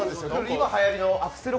今はやりのアクセル